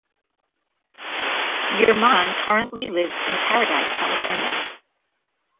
Yerman currently lives in Paradise, California.